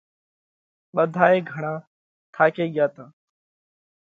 ٻڌائي گھڻا ٿاڪي ڳيا تا۔